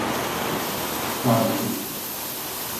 Çağrışımla.